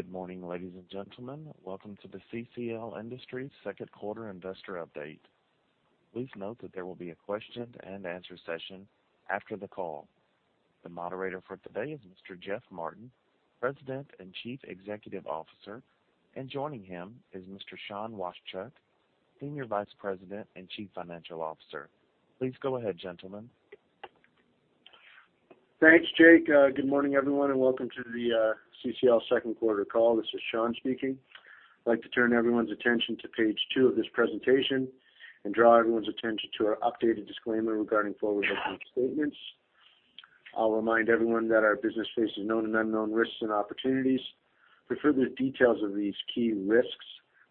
Good morning, ladies and gentlemen. Welcome to the CCL Industries second quarter investor update. Please note that there will be a question-and-answer session after the call. The moderator for today is Mr. Geoff Martin, President and Chief Executive Officer, and joining him is Mr. Sean Washchuk, Senior Vice President and Chief Financial Officer. Please go ahead, gentlemen. Thanks, Jake. Good morning, everyone, and welcome to the CCL second quarter call. This is Sean speaking. I'd like to turn everyone's attention to page two of this presentation and draw everyone's attention to our updated disclaimer regarding forward-looking statements. I'll remind everyone that our business faces known and unknown risks and opportunities. For further details of these key risks,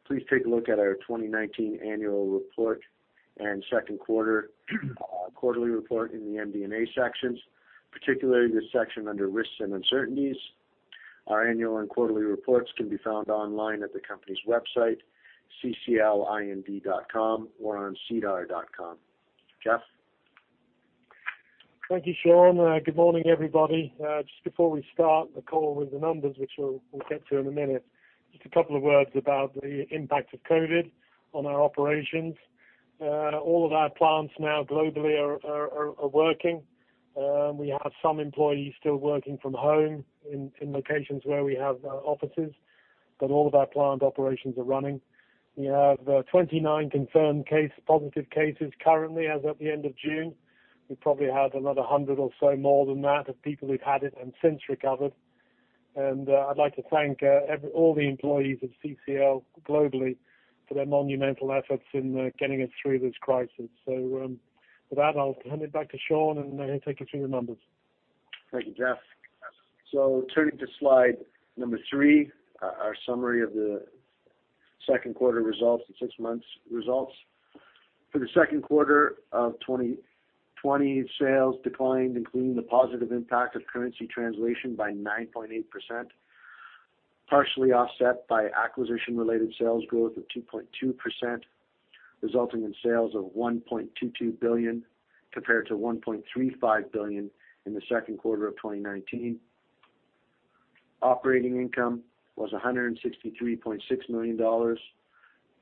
please take a look at our 2019 annual report and second quarter quarterly report in the MD&A sections, particularly the section under risks and uncertainties. Our annual and quarterly reports can be found online at the company's website, cclind.com, or on sedar.com. Geoff? Thank you, Sean. Good morning, everybody. Just before we start the call with the numbers, which we'll get to in a minute, just a couple of words about the impact of COVID on our operations. All of our plants now globally are working. We have some employees still working from home in locations where we have offices, but all of our plant operations are running. We have 29 confirmed positive cases currently as of the end of June. We probably had another 100 or so more than that of people who've had it and since recovered. I'd like to thank all the employees of CCL globally for their monumental efforts in getting us through this crisis. With that, I'll hand it back to Sean, and he'll take you through the numbers. Thank you, Geoff. Turning to slide three, our summary of the second quarter results and six months results. For the second quarter of 2020, sales declined, including the positive impact of currency translation, by 9.8%, partially offset by acquisition-related sales growth of 2.2%, resulting in sales of 1.22 billion, compared to 1.35 billion in the second quarter of 2019. Operating income was 163.6 million dollars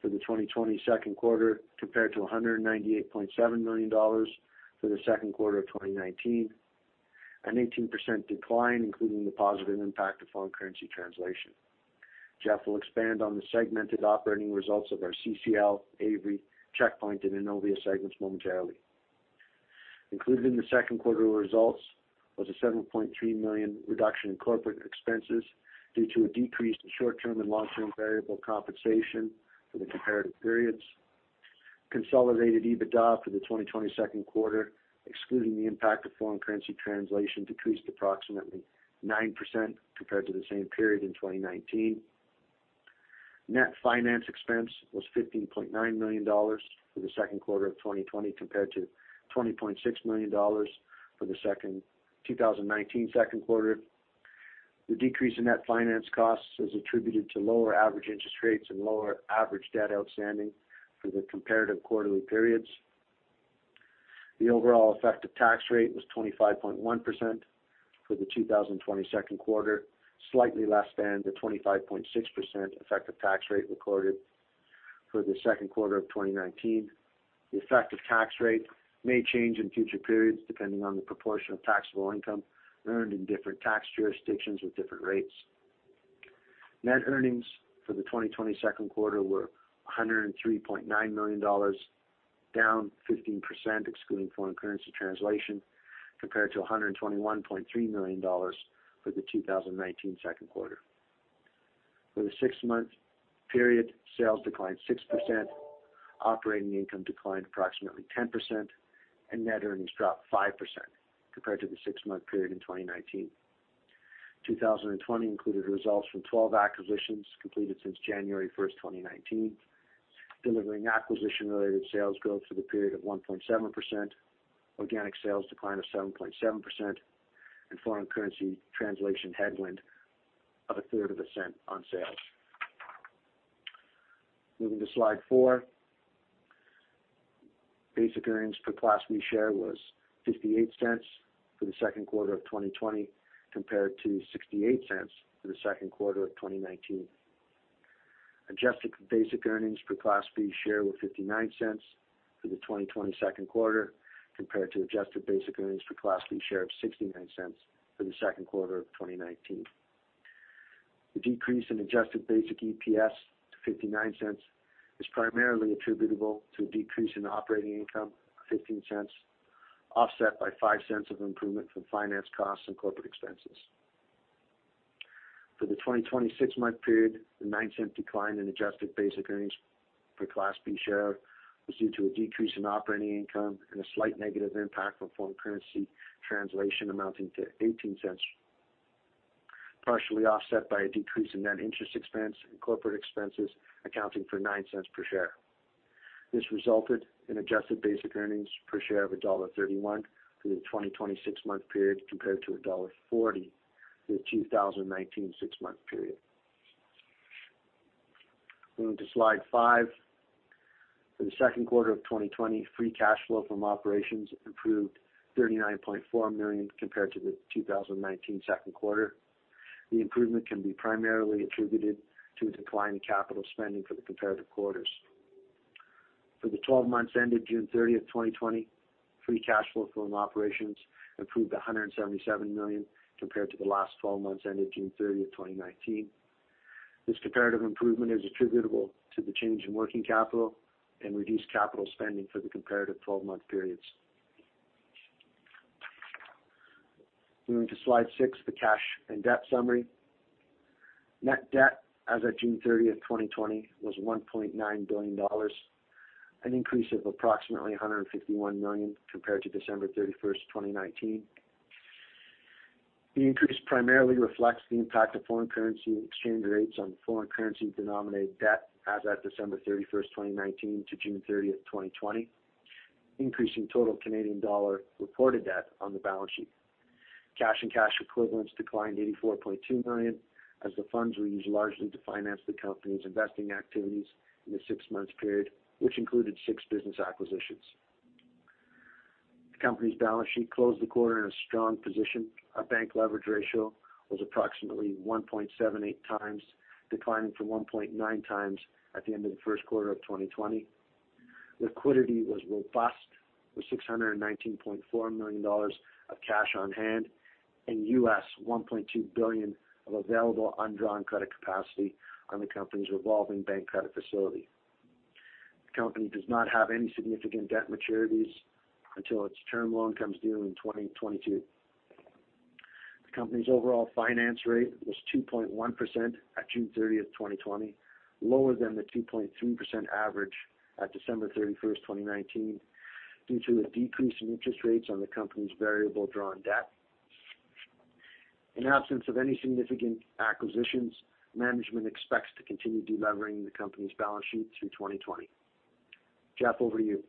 for the 2020 second quarter, compared to 198.7 million dollars for the second quarter of 2019, an 18% decline, including the positive impact of foreign currency translation. Geoff will expand on the segmented operating results of our CCL, Avery, Checkpoint, and Innovia segments momentarily. Included in the second quarter results was a 7.3 million reduction in corporate expenses due to a decrease in short-term and long-term variable compensation for the comparative periods. Consolidated EBITDA for the 2020 second quarter, excluding the impact of foreign currency translation, decreased approximately 9% compared to the same period in 2019. Net finance expense was 15.9 million dollars for the second quarter of 2020, compared to 20.6 million dollars for the 2019 second quarter. The decrease in net finance costs is attributed to lower average interest rates and lower average debt outstanding for the comparative quarterly periods. The overall effective tax rate was 25.1% for the 2020 second quarter, slightly less than the 25.6% effective tax rate recorded for the second quarter of 2019. The effective tax rate may change in future periods depending on the proportion of taxable income earned in different tax jurisdictions with different rates. Net earnings for the 2020 second quarter were 103.9 million dollars, down 15%, excluding foreign currency translation, compared to 121.3 million dollars for the 2019 second quarter. For the six-month period, sales declined 6%, operating income declined approximately 10%, and net earnings dropped 5% compared to the six-month period in 2019. 2020 included results from 12 acquisitions completed since January 1st, 2019, delivering acquisition-related sales growth for the period of 1.7%, organic sales decline of 7.7%, and foreign currency translation headwind of 0.33% on sales. Moving to slide four. Basic earnings per Class B share was 0.58 for the second quarter of 2020, compared to 0.68 for the second quarter of 2019. Adjusted basic earnings per Class B share were 0.59 for the 2020 second quarter, compared to adjusted basic earnings per Class B share of 0.69 for the second quarter of 2019. The decrease in adjusted basic EPS to 0.59 is primarily attributable to a decrease in operating income, 0.15, offset by 0.05 of improvement from finance costs and corporate expenses. For the 2020 six-month period, the 0.09 decline in adjusted basic earnings per Class B share was due to a decrease in operating income and a slight negative impact from foreign currency translation amounting to 0.18, partially offset by a decrease in net interest expense and corporate expenses accounting for 0.09 per share. This resulted in adjusted basic earnings per share of CAD 1.31 for the 2020 six-month period compared to CAD 1.40 for the 2019 six-month period. Moving to slide five. For the second quarter of 2020, free cash flow from operations improved to 39.4 million compared to the 2019 second quarter. The improvement can be primarily attributed to a decline in capital spending for the comparative quarters. For the 12 months ended June 30th, 2020, free cash flow from operations improved to 177 million compared to the last 12 months ended June 30th, 2019. This comparative improvement is attributable to the change in working capital and reduced capital spending for the comparative 12-month periods. Moving to slide six, the cash and debt summary. Net debt as of June 30th, 2020, was 1.9 billion dollars, an increase of approximately 151 million compared to December 31st, 2019. The increase primarily reflects the impact of foreign currency exchange rates on foreign currency-denominated debt as at December 31st, 2019 to June 30th, 2020, increasing total Canadian dollar reported debt on the balance sheet. Cash and cash equivalents declined to 84.2 million as the funds were used largely to finance the company's investing activities in the six months period, which included six business acquisitions. The company's balance sheet closed the quarter in a strong position. Our bank leverage ratio was approximately 1.78x, declining from 1.9x at the end of the first quarter of 2020. Liquidity was robust, with 619.4 million dollars of cash on hand and $1.2 billion of available undrawn credit capacity on the company's revolving bank credit facility. The company does not have any significant debt maturities until its term loan comes due in 2022. The company's overall finance rate was 2.1% at June 30th, 2020, lower than the 2.3% average at December 31st, 2019, due to a decrease in interest rates on the company's variable drawn debt. In absence of any significant acquisitions, management expects to continue delevering the company's balance sheet through 2020. Geoff, over to you.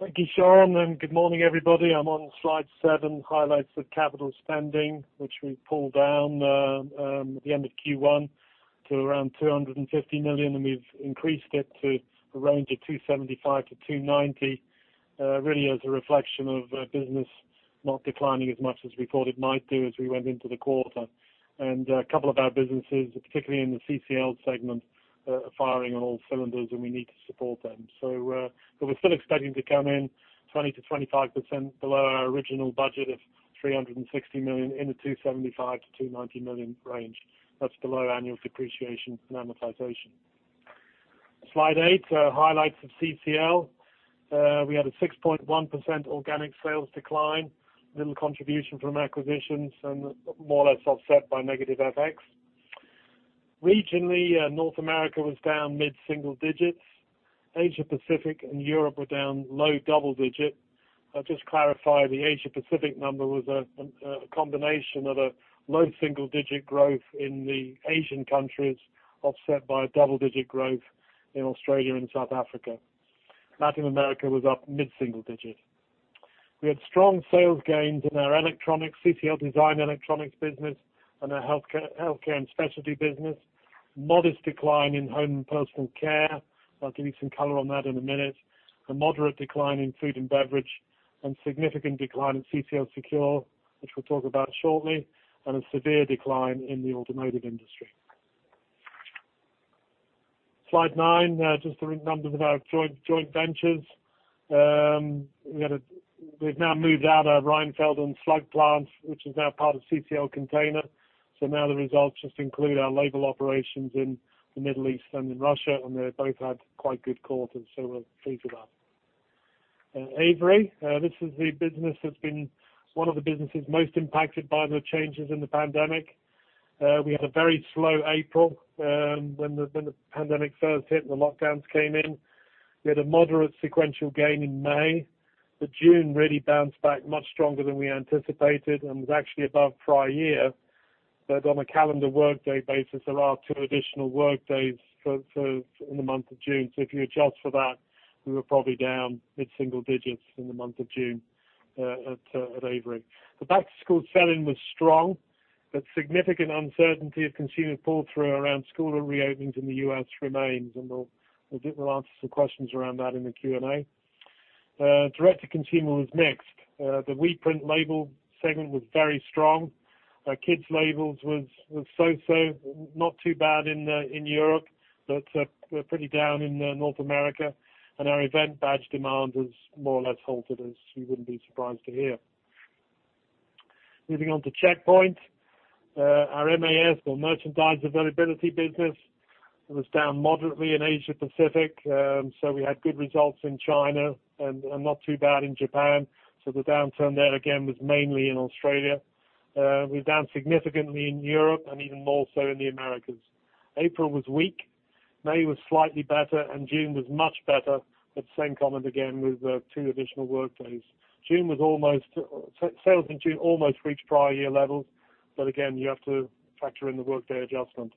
Thank you, Sean. Good morning, everybody. I'm on slide seven, highlights of capital spending, which we pulled down at the end of Q1 to around 250 million. We've increased it to around 275 million-290 million, really as a reflection of business not declining as much as we thought it might do as we went into the quarter. A couple of our businesses, particularly in the CCL segment, are firing on all cylinders, and we need to support them. We're still expecting to come in 20%-25% below our original budget of 360 million in the 275 million-290 million range. That's below annual depreciation and amortization. Slide eight, highlights of CCL. We had a 6.1% organic sales decline, little contribution from acquisitions, more or less offset by negative FX. Regionally, North America was down mid-single digits. Asia Pacific and Europe were down low double digits. I'll just clarify, the Asia Pacific number was a combination of a low single-digit growth in the Asian countries, offset by a double-digit growth in Australia and South Africa. Latin America was up mid-single digits. We had strong sales gains in our electronics, CCL Design electronics business, and our healthcare and specialty business. Modest decline in home and personal care. I'll give you some color on that in a minute. A moderate decline in food and beverage, and significant decline in CCL Secure, which we'll talk about shortly, and a severe decline in the automotive industry. Slide nine, just the numbers of our joint ventures. We've now moved out our Rheinfelden slug plant, which is now part of CCL Container. Now the results just include our label operations in the Middle East and in Russia, and they both had quite good quarters, so we're pleased with that. Avery, this is the business that's been one of the businesses most impacted by the changes in the pandemic. We had a very slow April when the pandemic first hit, and the lockdowns came in. We had a moderate sequential gain in May. June really bounced back much stronger than we anticipated and was actually above prior year. On a calendar workday basis, there are two additional workdays in the month of June. If you adjust for that, we were probably down mid-single digits in the month of June at Avery. The back-to-school selling was strong. Significant uncertainty of consumer pull-through around school reopenings in the U.S. remains, and we'll answer some questions around that in the Q&A. Direct-to-consumer was mixed. The WePrint label segment was very strong. Our kids' labels were so-so, not too bad in Europe, but were pretty down in North America. Our event badge demand was more or less halted, as you wouldn't be surprised to hear. Moving on to Checkpoint. Our MAS, or merchandise availability business, was down moderately in Asia Pacific. We had good results in China and not too bad in Japan. The downturn there again was mainly in Australia. We were down significantly in Europe and even more so in the Americas. April was weak, May was slightly better, and June was much better, but the same comment again with the two additional workdays. Sales in June almost reached prior year levels, but again, you have to factor in the workday adjustment.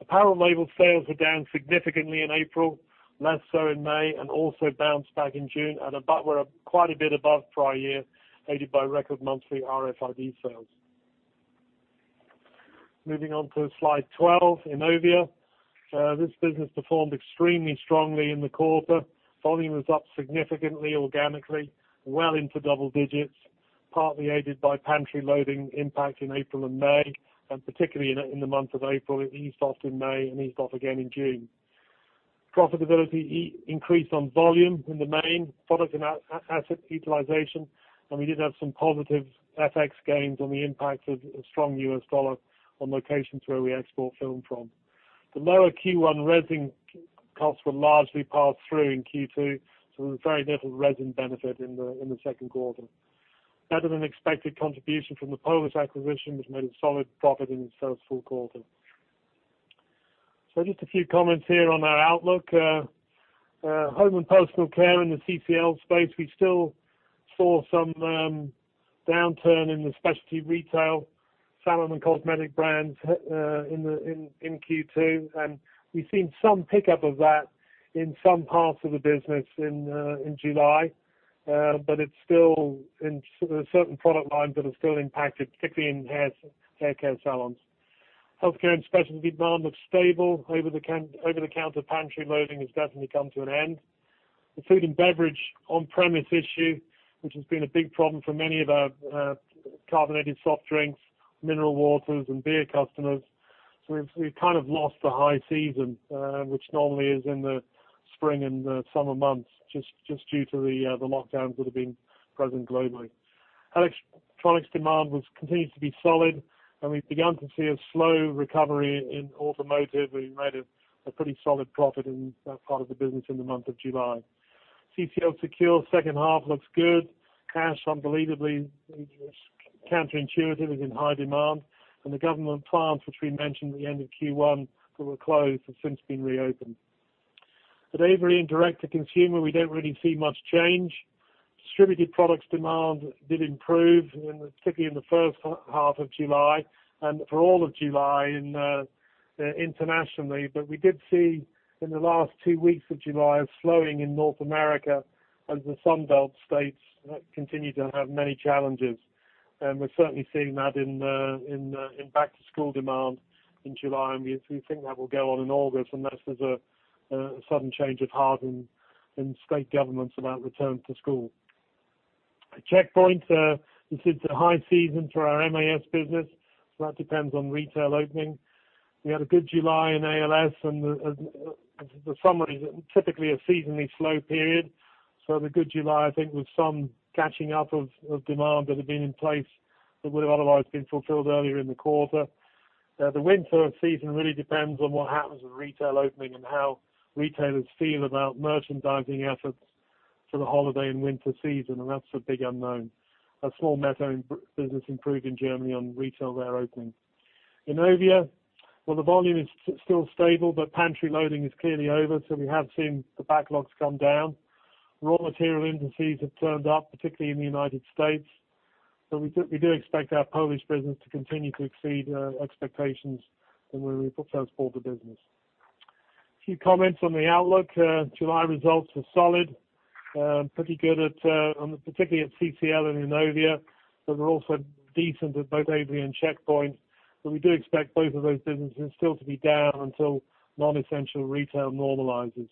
Apparel label sales were down significantly in April. Less so in May, and also bounced back in June and above. We're quite a bit above prior year, aided by record monthly RFID sales. Moving on to slide 12, Innovia. This business performed extremely strongly in the quarter. Volume was up significantly organically, well into double digits, partly aided by pantry loading impact in April and May, and particularly in the month of April. It eased off in May and eased off again in June. Profitability increased on volume in the main, product and asset utilization, and we did have some positive FX gains on the impact of a strong U.S. dollar on locations where we export film from. The lower Q1 resin costs were largely passed through in Q2, so there was very little resin benefit in the second quarter. Better-than-expected contribution from the Polish acquisition, which made a solid profit in its first full quarter. Just a few comments here on our outlook. Home and personal care in the CCL space, we still saw some downturn in the specialty retail salon and cosmetic brands in Q2, and we've seen some pickup of that in some parts of the business in July, but there are certain product lines that are still impacted, particularly in hair care salons. Healthcare and specialty demand looks stable. Over-the-counter pantry loading has definitely come to an end. The food and beverage on-premise issue, which has been a big problem for many of our carbonated soft drinks, mineral waters, and beer customers. We've kind of lost the high season, which normally is in the spring and the summer months, just due to the lockdowns that have been present globally. Electronics demand continues to be solid, and we've begun to see a slow recovery in automotive. We made a pretty solid profit in that part of the business in the month of July. CCL Secure second half looks good. Cash, unbelievably counterintuitive, is in high demand, and the government plants, which we mentioned at the end of Q1 that were closed, have since been reopened. At Avery and direct to consumer, we don't really see much change. Distributed products demand did improve, particularly in the first half of July and for all of July internationally. We did see in the last two weeks of July a slowing in North America as the Sun Belt states continue to have many challenges. We're certainly seeing that in back-to-school demand in July, and we think that will go on in August unless there's a sudden change of heart in state governments about return to school. At Checkpoint, this is the high season for our MAS business, so that depends on retail opening. We had a good July in ALS and the summer is typically a seasonally slow period. It was a good July, I think, with some catching up of demand that had been in place that would have otherwise been fulfilled earlier in the quarter. The winter season really depends on what happens with retail opening and how retailers feel about merchandising efforts for the holiday and winter season, and that's a big unknown. Our small Metro business improved in Germany on retail there opening. Innovia, well, the volume is still stable, but pantry loading is clearly over, so we have seen the backlogs come down. Raw material indices have turned up, particularly in the United States, but we do expect our Polish business to continue to exceed expectations when we transport the business. A few comments on the outlook. July results were solid, pretty good, particularly at CCL and Innovia, but were also decent at both Avery and Checkpoint. We do expect both of those businesses still to be down until non-essential retail normalizes.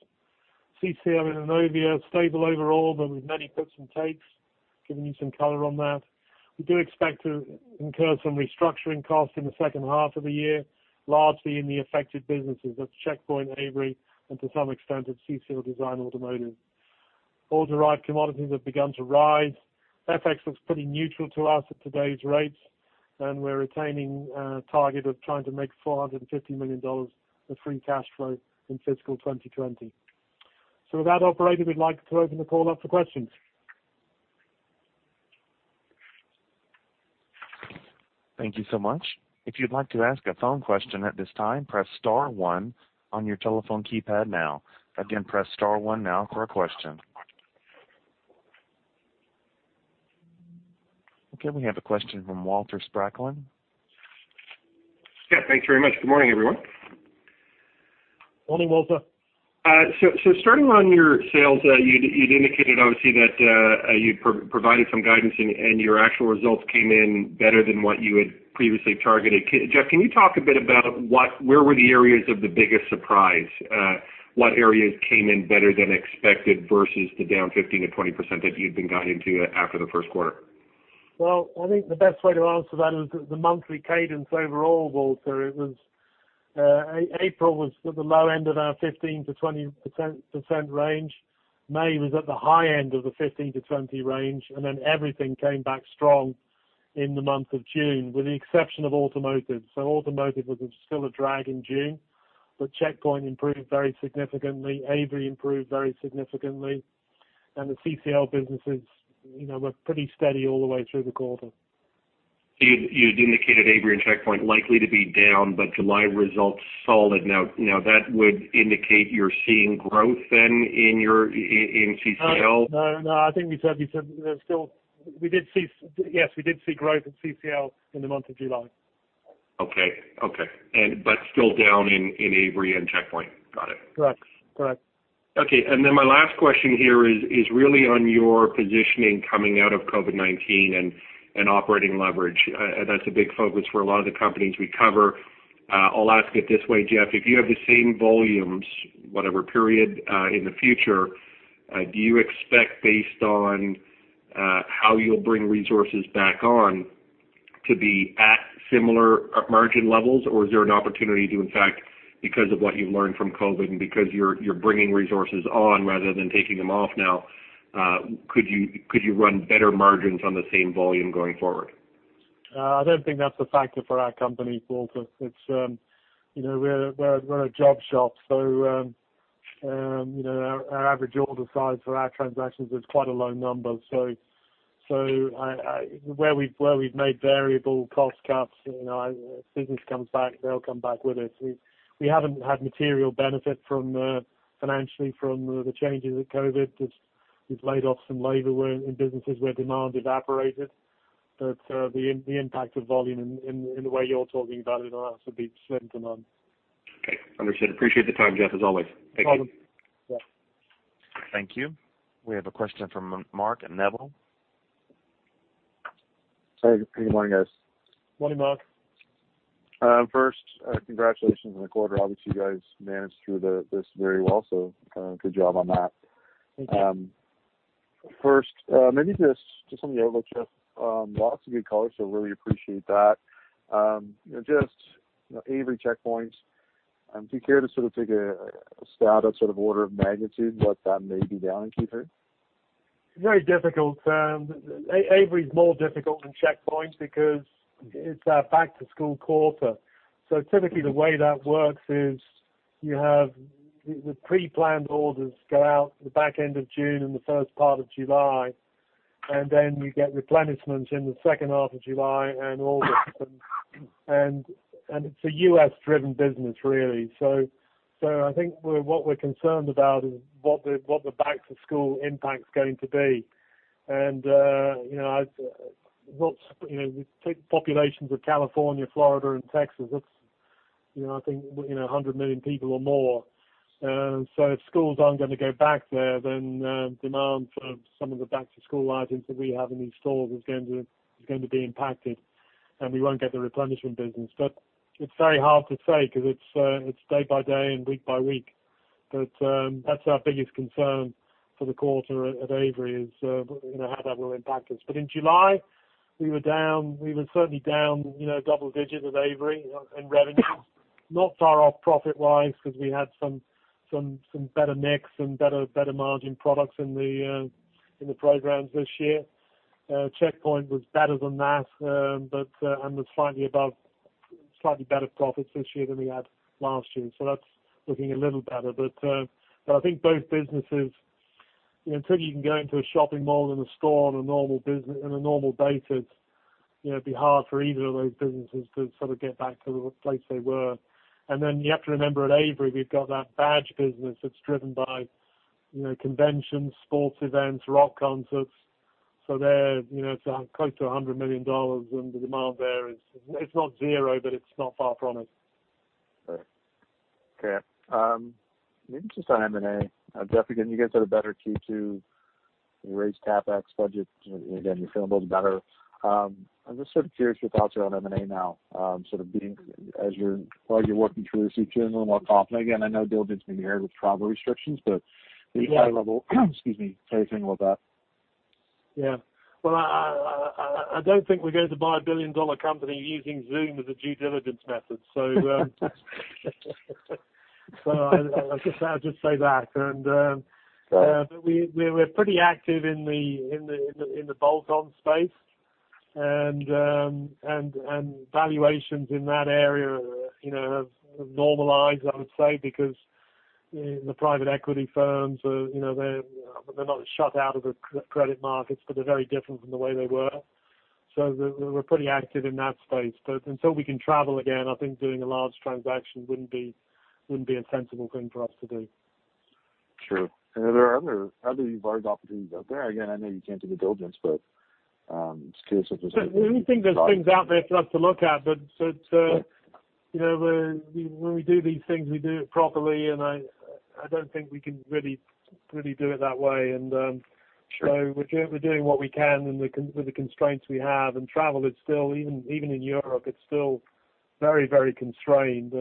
CCL and Innovia, stable overall, but with many puts and takes, giving you some color on that. We do expect to incur some restructuring costs in the second half of the year, largely in the affected businesses, that's Checkpoint, Avery, and to some extent, at CCL Design Automotive. Oil-derived commodities have begun to rise. FX looks pretty neutral to us at today's rates. We're retaining a target of trying to make 450 million dollars of free cash flow in fiscal 2020. With that, operator, we'd like to open the call up for questions. Thank you so much. We have a question from Walter Spracklin. Yeah, thanks very much. Good morning, everyone. Morning, Walter. Starting on your sales, you'd indicated, obviously, that you'd provided some guidance and your actual results came in better than what you had previously targeted. Geoff, can you talk a bit about where were the areas of the biggest surprise? What areas came in better than expected versus the down 15%-20% that you had been guiding to after the first quarter? Well, I think the best way to answer that is the monthly cadence overall, Walter. April was at the low end of our 15%-20% range. May was at the high end of the 15%-20% range, and then everything came back strong in the month of June, with the exception of automotive. Automotive was still a drag in June, but Checkpoint improved very significantly. Avery improved very significantly, and the CCL businesses were pretty steady all the way through the quarter. You had indicated Avery and Checkpoint likely to be down, but July results solid. That would indicate you're seeing growth then in CCL? No. I think we said Yes, we did see growth at CCL in the month of July. Okay. Still down in Avery and Checkpoint. Got it. Correct. My last question here is really on your positioning coming out of COVID-19 and operating leverage. That's a big focus for a lot of the companies we cover. I'll ask it this way, Geoff, if you have the same volumes, whatever period, in the future, do you expect, based on how you'll bring resources back on, to be at similar margin levels? Or is there an opportunity to, in fact, because of what you've learned from COVID and because you're bringing resources on rather than taking them off now, could you run better margins on the same volume going forward? I don't think that's a factor for our company, Paul, because we're a job shop, so our average order size for our transactions is quite a low number. Where we've made variable cost cuts, as business comes back, they'll come back with us. We haven't had material benefit financially from the changes of COVID. We've laid off some labor in businesses where demand evaporated. The impact of volume in the way you're talking about it, that's a big slim demand. Okay, understood. Appreciate the time, Geoff, as always. No problem. Thank you. Thank you. We have a question from Mark Neville. Hey, good morning, guys. Morning, Mark. First, congratulations on the quarter. Obviously, you guys managed through this very well. Good job on that. Thank you. First, maybe just on the overview, lots of good color, so really appreciate that. Just Avery Checkpoint, do you care to sort of take a stab at sort of order of magnitude and what that may be down in Q3? Very difficult. Avery’s more difficult than Checkpoint because it’s a back-to-school quarter. Typically the way that works is you have the pre-planned orders go out the back end of June and the first part of July, and then you get replenishment in the second half of July and August. It’s a U.S.-driven business, really. I think what we’re concerned about is what the back-to-school impact’s going to be. If you take populations of California, Florida, and Texas, that’s I think, 100 million people or more. If schools aren’t going to go back there, then demand for some of the back-to-school items that we have in these stores is going to be impacted, and we won’t get the replenishment business. It’s very hard to say because it’s day by day and week by week. That's our biggest concern for the quarter at Avery is how that will impact us. In July, we were certainly down double digits at Avery in revenues. Not far off profit-wise because we had some better mix, some better margin products in the programs this year. Checkpoint was better than that, and was slightly above, slightly better profits this year than we had last year. That's looking a little better. I think both businesses, until you can go into a shopping mall and a store on a normal basis, it'd be hard for either of those businesses to sort of get back to the place they were. You have to remember at Avery, we've got that badge business that's driven by conventions, sports events, rock concerts. There, it's close to 100 million dollars, and the demand there is, it's not zero, but it's not far from it. Right. Okay. Maybe just on M&A. Geoff, again, you guys had a better Q2. You raised CapEx budget. Again, you're feeling a little better. I'm just sort of curious your thoughts around M&A now, as you're working through your Q2 a little more confidently. Again, I know due diligence can be hairy with travel restrictions any high level excuse me, how you're feeling about that? Yeah. Well, I don't think we're going to buy a billion-dollar company using Zoom as a due diligence method. I'll just say that we're pretty active in the bolt-on space, and valuations in that area have normalized, I would say, because the private equity firms, they're not shut out of the credit markets, but they're very different from the way they were. We're pretty active in that space. Until we can travel again, I think doing a large transaction wouldn't be a sensible thing for us to do. Sure. Are there other large opportunities out there? Again, I know you can't do the due diligence, but just curious. We think there's things out there for us to look at, but when we do these things, we do it properly, and I don't think we can really do it that way. We're doing what we can with the constraints we have. Travel, even in Europe, it's still very constrained.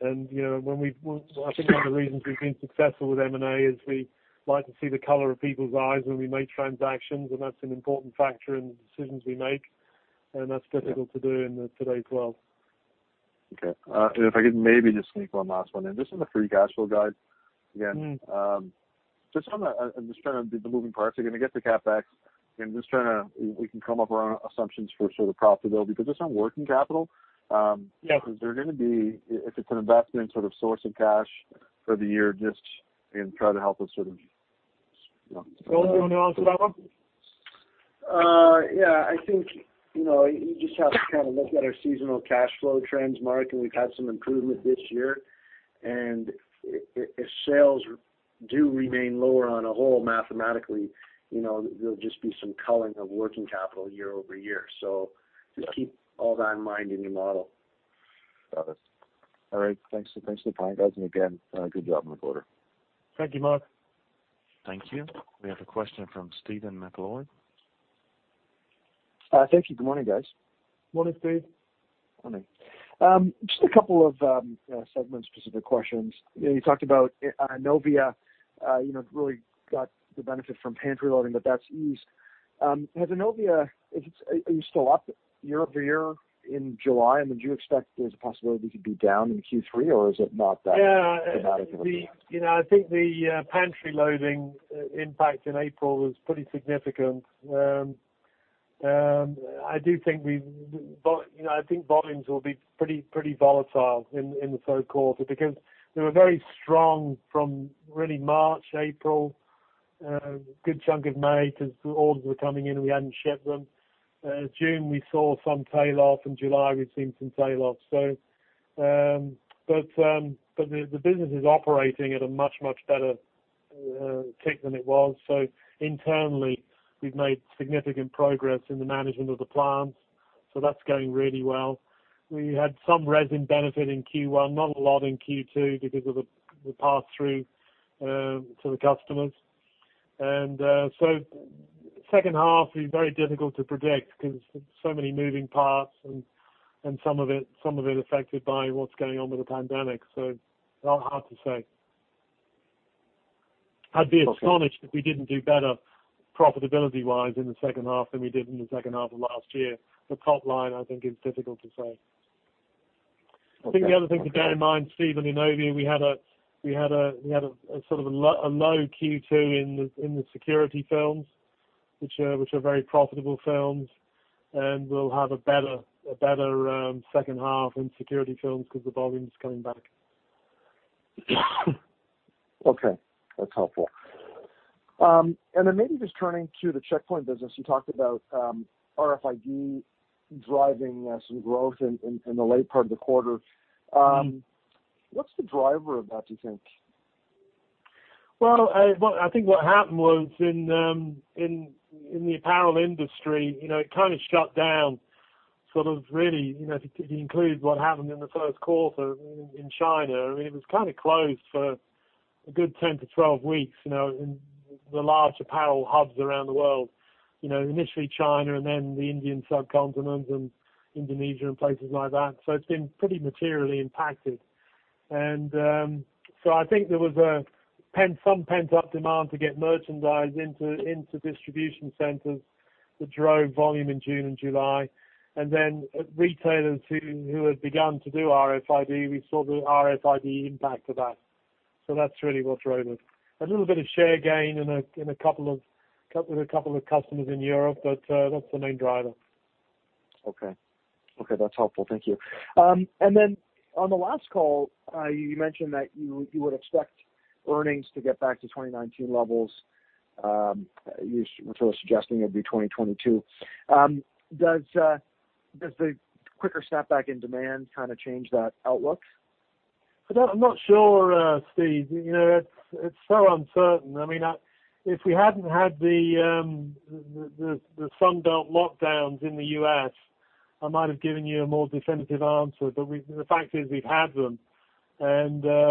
I think one of the reasons we've been successful with M&A is we like to see the color of people's eyes when we make transactions, and that's an important factor in the decisions we make, and that's difficult to do in today's world. Okay. If I could maybe just sneak one last one in. Just on the free cash flow guide, again. Just on the moving parts. You're going to get to CapEx. We can come up with our own assumptions for sort of profitability, but just on working capital is there going to be, if it's an investment sort of source of cash for the year? Well, you want to answer that one? Yeah, I think you just have to kind of look at our seasonal cash flow trends, Mark, and we've had some improvement this year. If sales do remain lower on a whole mathematically, there'll just be some culling of working capital year-over-year. Just keep all that in mind in your model. Got it. All right. Thanks for the time, guys, and again, good job on the quarter. Thank you, Mark. Thank you. We have a question from Stephen MacLeod. Thank you. Good morning, guys. Morning, Steve. Morning. Just a couple of segment-specific questions. You talked about Innovia really got the benefit from pantry loading, but that's eased. Has Innovia, are you still up year-over-year in July? I mean, do you expect there's a possibility to be down in Q3, or is it not that dramatic of an impact? I think the pantry loading impact in April was pretty significant. I think volumes will be pretty volatile in the third quarter because they were very strong from really March, April, a good chunk of May because orders were coming in and we hadn't shipped them. June we saw some tail off, in July we've seen some tail off. The business is operating at a much, much better tick than it was. Internally, we've made significant progress in the management of the plants, so that's going really well. We had some resin benefit in Q1, not a lot in Q2 because of the pass-through to the customers. Second half is very difficult to predict because so many moving parts and some of it affected by what's going on with the pandemic. It's hard to say. I'd be astonished if we didn't do better profitability-wise in the second half than we did in the second half of last year. The top line, I think, is difficult to say. Okay. I think the other thing to bear in mind, Stephen, in Innovia, we had a sort of a low Q2 in the security films, which are very profitable films, and we'll have a better second half in security films because the volume's coming back. Okay. That's helpful. Maybe just turning to the Checkpoint business, you talked about RFID driving some growth in the late part of the quarter. What's the driver of that, do you think? Well, I think what happened was in the apparel industry, it kind of shut down, sort of really, if you include what happened in the first quarter in China. I mean, it was kind of closed for a good 10-12 weeks, in the large apparel hubs around the world. Initially China and then the Indian subcontinent and Indonesia and places like that. It's been pretty materially impacted. I think there was some pent-up demand to get merchandise into distribution centers that drove volume in June and July. Retailers who had begun to do RFID, we saw the RFID impact of that. That's really what drove it. A little bit of share gain in a couple of customers in Europe, but that's the main driver. Okay. That's helpful. Thank you. On the last call, you mentioned that you would expect earnings to get back to 2019 levels. You were sort of suggesting it'd be 2022. Does the quicker snapback in demand kind of change that outlook? I'm not sure, Steve. It's so uncertain. I mean, if we hadn't had the sundown lockdowns in the U.S., I might have given you a more definitive answer. The fact is we've had them, there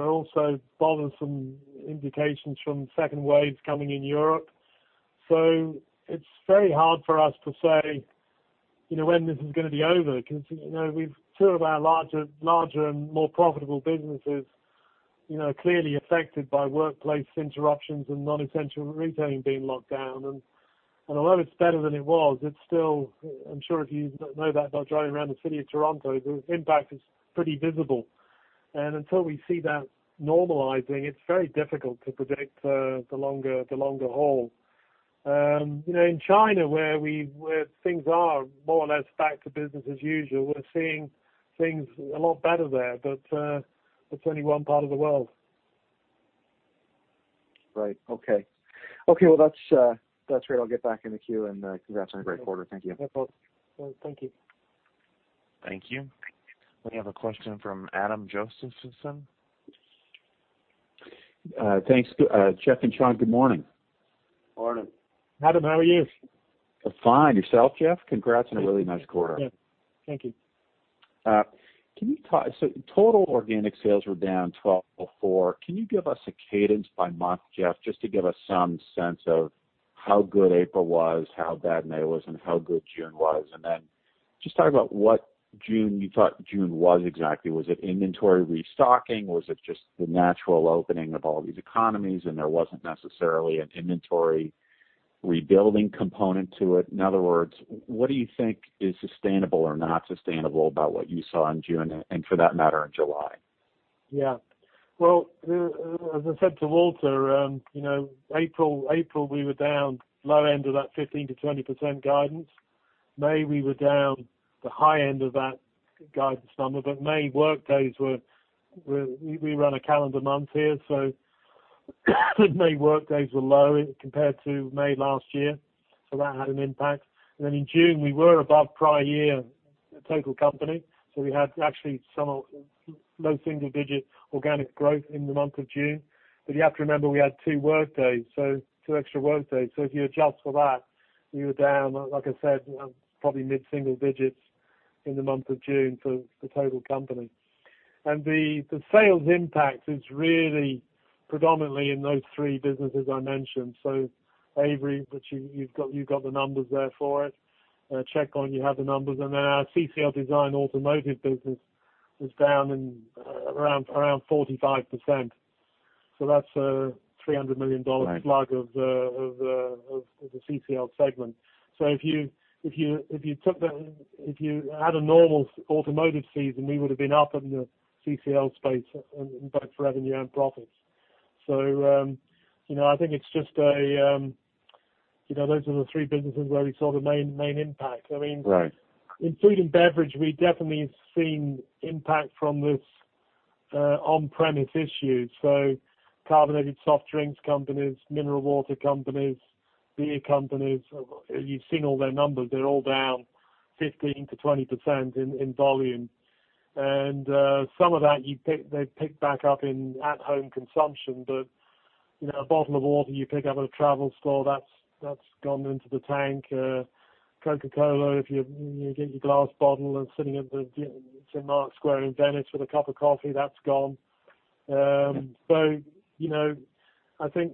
are also bothersome indications from second waves coming in Europe. It's very hard for us to say when this is going to be over, because two of our larger and more profitable businesses, clearly affected by workplace interruptions and non-essential retailing being locked down. Although it's better than it was, it's still, I'm sure if you know that by driving around the city of Toronto, the impact is pretty visible. Until we see that normalizing, it's very difficult to predict the longer haul. In China, where things are more or less back to business as usual, we're seeing things a lot better there, but that's only one part of the world. Right. Okay. Well, that's great. I'll get back in the queue, and congrats on a great quarter. Thank you. No problem. Thank you. Thank you. We have a question from Adam Josephson. Thanks. Geoff and Sean, good morning. Morning. Adam, how are you? Fine. Yourself, Geoff? Congrats on a really nice quarter. Yeah. Thank you. Total organic sales were down 12.4%. Can you give us a cadence by month, Geoff, just to give us some sense of how good April was, how bad May was, and how good June was? Just talk about what you thought June was exactly. Was it inventory restocking? Was it just the natural opening of all these economies and there wasn't necessarily an inventory rebuilding component to it? In other words, what do you think is sustainable or not sustainable about what you saw in June and for that matter, in July? Yeah. Well, as I said to Walter, April we were down low end of that 15%-20% guidance. May we were down the high end of that guidance number. We run a calendar month here, May work days were low compared to May last year, that had an impact. In June, we were above prior year total company. We had actually some low single-digit organic growth in the month of June. You have to remember, we had two work days, two extra work days. If you adjust for that, we were down, like I said, probably mid-single digits in the month of June for the total company. The sales impact is really predominantly in those three businesses I mentioned. Avery, which you've got the numbers there for it. Checkpoint, you have the numbers. Our CCL Design Automotive business is down in around 45%. That's a 300 million dollar slug of the CCL segment. If you had a normal automotive season, we would have been up in the CCL space in both revenue and profits. I think those are the three businesses where we saw the main impact in food and beverage. We definitely have seen impact from this on-premise issue. carbonated soft drinks companies, mineral water companies, beer companies, you've seen all their numbers. They're all down 15%-20% in volume. Some of that, they've picked back up in at-home consumption. a bottle of water you pick up at a travel store, that's gone into the tank. Coca-Cola, if you get your glass bottle and sitting at the St. Mark's Square in Venice with a cup of coffee, that's gone. I think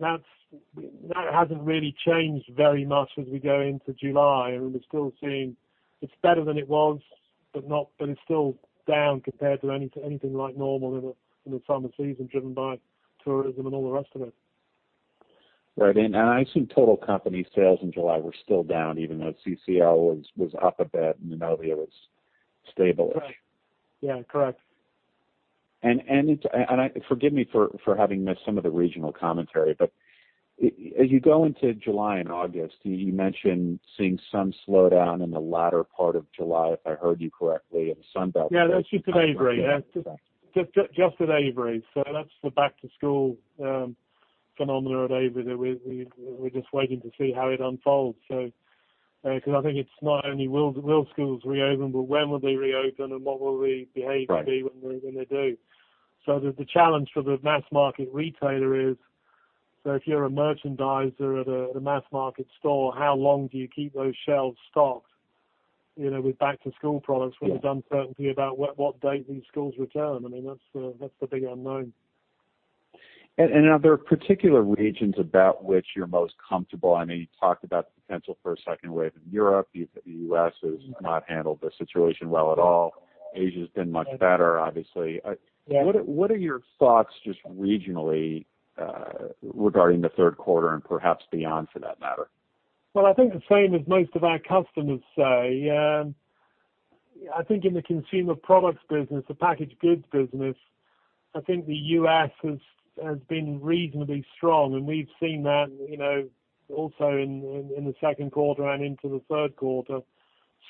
that hasn't really changed very much as we go into July. We're still seeing it's better than it was, but it's still down compared to anything like normal in the summer season driven by tourism and all the rest of it. Right. I assume total company sales in July were still down, even though CCL was up a bit and Innovia was stable-ish. Right. Yeah, correct. Forgive me for having missed some of the regional commentary, but as you go into July and August, you mentioned seeing some slowdown in the latter part of July, if I heard you correctly, in the Sun Belt? Yeah, that's just at Avery. Just at Avery. That's the back-to-school phenomena at Avery that we're just waiting to see how it unfolds. Because I think it's not only will schools reopen, but when will they reopen and what will the behavior be when they do? The challenge for the mass market retailer is, so if you're a merchandiser at a mass market store, how long do you keep those shelves stocked with back-to-school products with the uncertainty about what date these schools return. That's the big unknown. Are there particular regions about which you're most comfortable? I know you talked about the potential for a second wave in Europe. The U.S. has not handled the situation well at all. Asia's been much better, obviously. What are your thoughts just regionally, regarding the third quarter and perhaps beyond for that matter? Well, I think the same as most of our customers say. I think in the consumer products business, the packaged goods business, I think the U.S. has been reasonably strong, and we've seen that also in the second quarter and into the third quarter,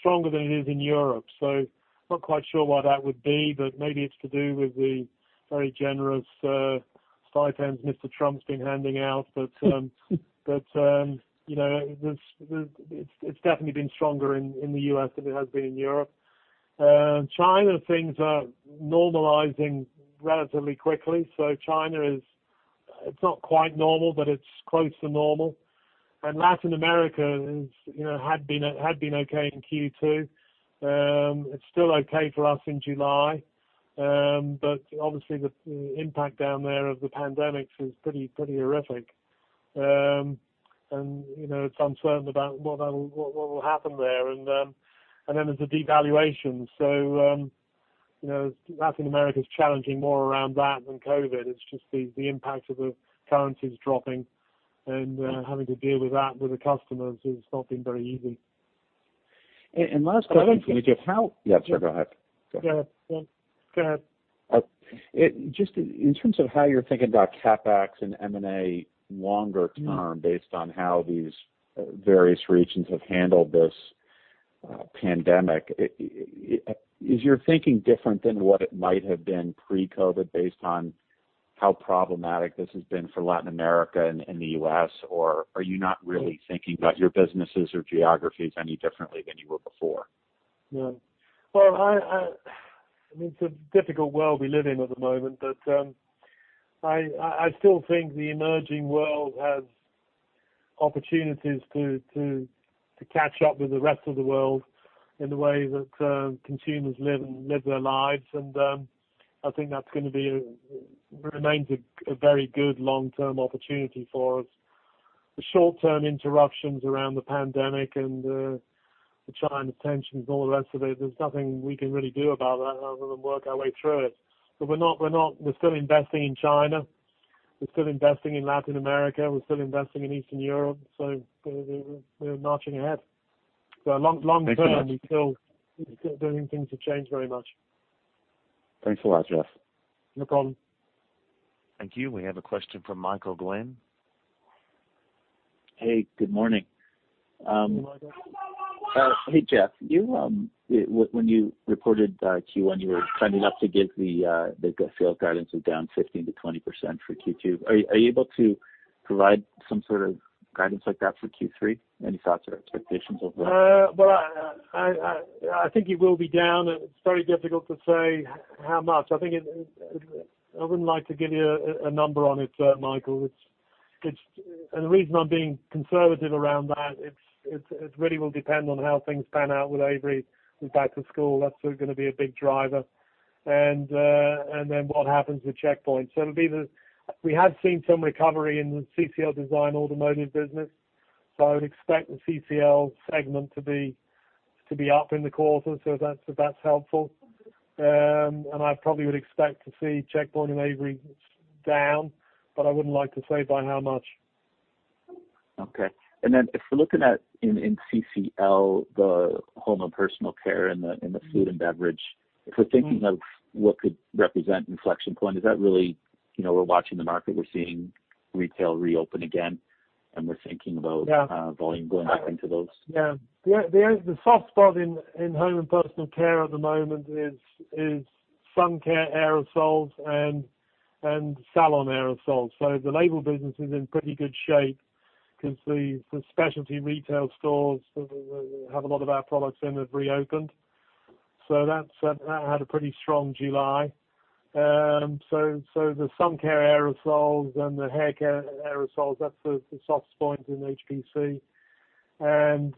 stronger than it is in Europe. I'm not quite sure why that would be, but maybe it's to do with the very generous stipends Mr. Trump's been handing out. It's definitely been stronger in the U.S. than it has been in Europe. China, things are normalizing relatively quickly. China is not quite normal, it's close to normal. Latin America had been okay in Q2. It's still okay for us in July. Obviously the impact down there of the pandemic is pretty horrific. It's uncertain about what will happen there. There's a devaluation. Latin America is challenging more around that than COVID. It's just the impact of the currencies dropping and having to deal with that with the customers has not been very easy. Last question for you, Geoff. I think. Yeah, sorry. Go ahead. Yeah. Go ahead. Just in terms of how you're thinking about CapEx and M&A longer term based on how these various regions have handled this pandemic, is your thinking different than what it might have been pre-COVID based on how problematic this has been for Latin America and the U.S.? Or are you not really thinking about your businesses or geographies any differently than you were before? No. Well, it's a difficult world we live in at the moment, but I still think the emerging world has opportunities to catch up with the rest of the world in the way that consumers live their lives. I think that's going to be, remains a very good long-term opportunity for us. The short-term interruptions around the pandemic and the China tensions, all the rest of it, there's nothing we can really do about that other than work our way through it. We're still investing in China. We're still investing in Latin America. We're still investing in Eastern Europe. We're marching ahead. Long term. Thanks a lot. We're still don't think things have changed very much. Thanks a lot, Geoff. No problem. Thank you. We have a question from Michael Glen. Hey, good morning. Good morning. Hey, Geoff. When you reported Q1, you were signing up to give the sales guidance was down 15%-20% for Q2. Are you able to provide some sort of guidance like that for Q3? Any thoughts or expectations over that? Well, I think it will be down. It's very difficult to say how much. I think I wouldn't like to give you a number on it, Michael. The reason I'm being conservative around that, it really will depend on how things pan out with Avery with back to school. That's going to be a big driver. What happens with Checkpoint. We have seen some recovery in the CCL Design automotive business. I would expect the CCL segment to be up in the quarter, so if that's helpful. I probably would expect to see Checkpoint and Avery down, but I wouldn't like to say by how much. Okay. If we're looking at in CCL, the home and personal care and the food and beverage, if we're thinking of what could represent inflection point, is that really we're watching the market, we're seeing retail reopen again volume going back into those. Yeah. The soft spot in home and personal care at the moment is sun care aerosols and salon aerosols. The label business is in pretty good shape because the specialty retail stores that have a lot of our products in have reopened. That had a pretty strong July. The sun care aerosols and the hair care aerosols, that's the soft spot in HPC. Then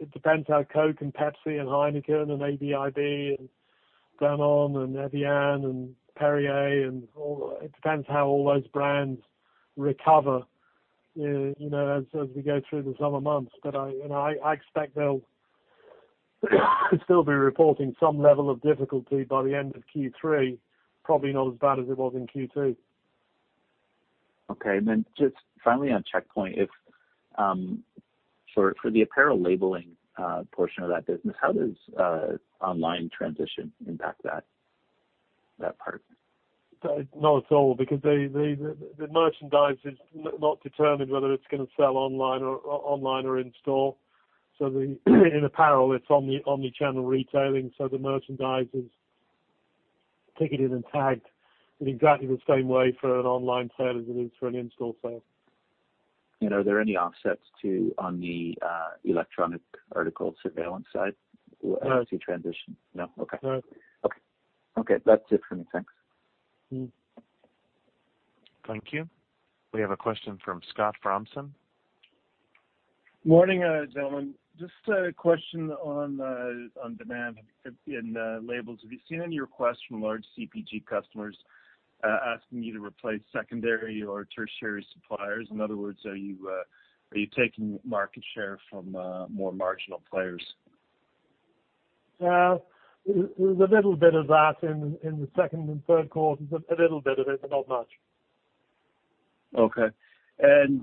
it depends how Coke and Pepsi and Heineken and AB InBev and Danone and Evian and Perrier, it depends how all those brands recover as we go through the summer months. I expect they'll still be reporting some level of difficulty by the end of Q3, probably not as bad as it was in Q2. Okay. Then just finally on Checkpoint, for the apparel labeling portion of that business, how does online transition impact that part? Not at all, because the merchandise is not determined whether it's going to sell online or in store. In apparel, it's omni-channel retailing, so the merchandise is ticketed and tagged in exactly the same way for an online sale as it is for an in-store sale. Are there any offsets too on the electronic article surveillance side. No. As you transition? No. Okay. No. Okay. That's it for me. Thanks. Thank you. We have a question from Scott Fromson. Morning, gentlemen. Just a question on demand in labels. Have you seen any requests from large CPG customers asking you to replace secondary or tertiary suppliers? In other words, are you taking market share from more marginal players? There's a little bit of that in the second and third quarters. A little bit of it, but not much. Okay. On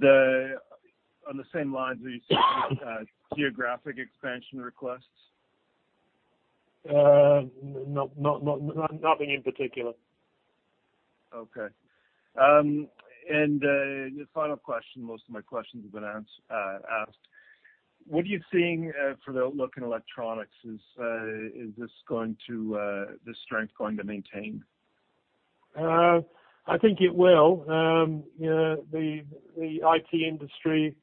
the same lines, are you seeing any geographic expansion requests? Nothing in particular. Okay. Final question. Most of my questions have been asked. What are you seeing for the outlook in electronics? Is this strength going to maintain? I think it will. The IT industry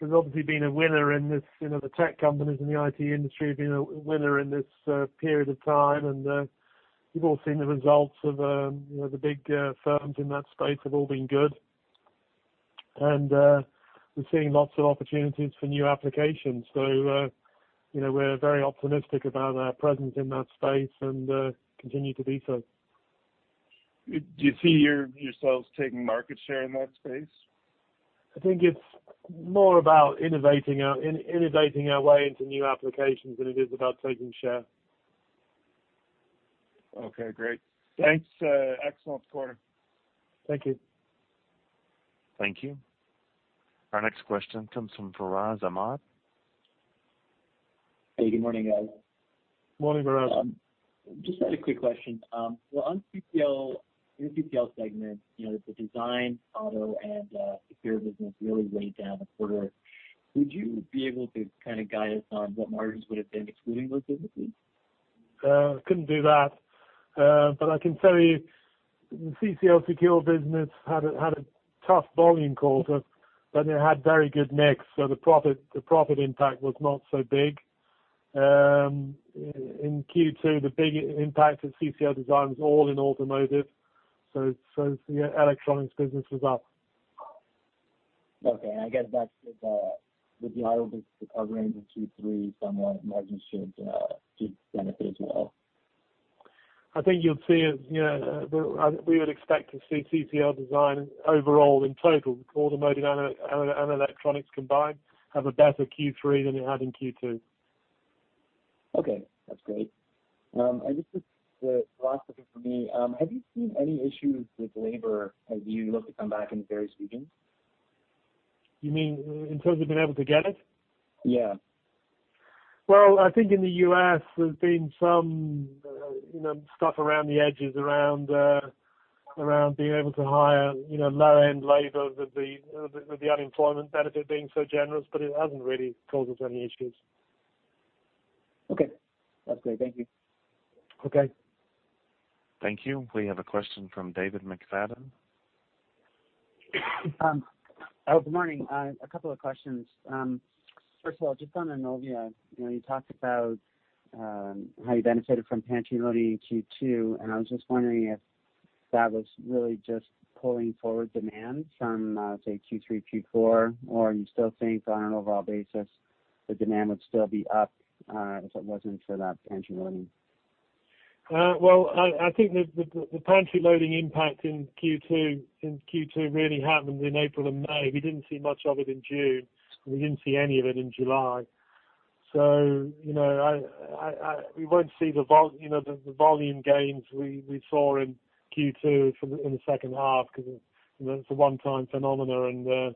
has obviously been a winner in this. The tech companies and the IT industry have been a winner in this period of time, and you've all seen the results of the big firms in that space have all been good. We're seeing lots of opportunities for new applications. We're very optimistic about our presence in that space and continue to be so. Do you see yourselves taking market share in that space? I think it's more about innovating our way into new applications than it is about taking share. Okay, great. Thanks. Excellent quarter. Thank you. Thank you. Our next question comes from Furaz Ahmad. Hey, good morning, guys. Morning, Furaz. Just had a quick question. On CCL, your CCL segment, the Design, Auto, and Secure business really weighed down the quarter. Would you be able to kind of guide us on what margins would have been excluding those businesses? Couldn't do that. I can tell you the CCL Secure business had a tough volume quarter, but it had very good mix. The profit impact was not so big. In Q2, the big impact of CCL Design was all in automotive. The electronics business was up. Okay. I guess that's with the Auto recovering in Q3 somewhat, margins should benefit as well. I think you'll see, we would expect to see CCL Design overall in total, automotive and electronics combined, have a better Q3 than it had in Q2. Okay, that's great. This is the last question for me. Have you seen any issues with labor as you look to come back in the various regions? You mean in terms of been able to get it? Yeah. Well, I think in the U.S. there's been some stuff around the edges, around being able to hire low-end labor with the unemployment benefit being so generous, but it hasn't really caused us any issues. Okay. That's great. Thank you. Okay. Thank you. We have a question from David McFadgen. Good morning. A couple of questions. First of all, just on Innovia. You talked about how you benefited from pantry loading in Q2, I was just wondering if that was really just pulling forward demand from, say, Q3, Q4, or are you still saying that on an overall basis, the demand would still be up, if it wasn't for that pantry loading? Well, I think the pantry loading impact in Q2 really happened in April and May. We didn't see much of it in June. We didn't see any of it in July. We won't see the volume gains we saw in Q2 in the second half because it's a one-time phenomena.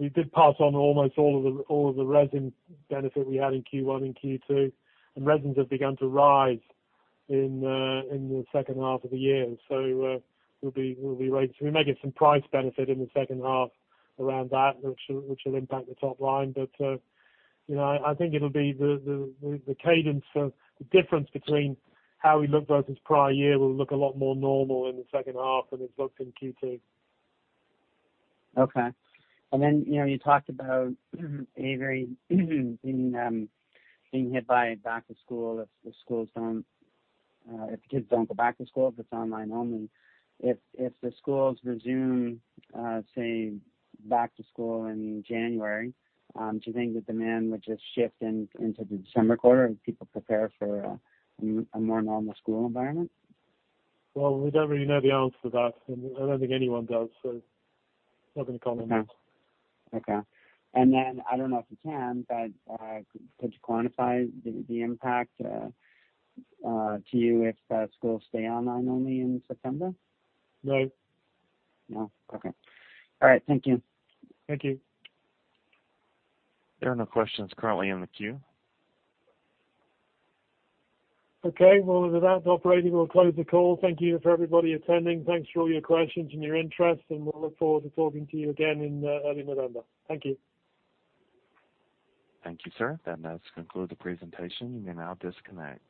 We did pass on almost all of the resin benefit we had in Q1 and Q2. Resins have begun to rise in the second half of the year. We may get some price benefit in the second half around that which will impact the top line. I think it'll be the cadence of the difference between how we look versus prior year will look a lot more normal in the second half than it looked in Q2. Okay. You talked about Avery being hit by back to school. If the kids don't go back to school, if it's online only, if the schools resume, say, back to school in January, do you think the demand would just shift into the December quarter as people prepare for a more normal school environment? Well, we don't really know the answer to that. I don't think anyone does. Not going to comment. Okay. I don't know if you can, but could you quantify the impact to you if schools stay online only in September? No. No. Okay. All right. Thank you. Thank you. There are no questions currently in the queue. Okay. Well, with that Operator, we'll close the call. Thank you for everybody attending. Thanks for all your questions and your interest. We'll look forward to talking to you again in early November. Thank you. Thank you, sir. That's conclude the presentation. You may now disconnect.